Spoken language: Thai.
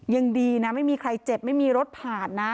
ยังดีนะไม่มีใครเจ็บไม่มีรถผ่านนะ